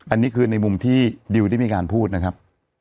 อันนี้คือในมุมที่ดิวได้มีการพูดนะครับ